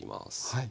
はい。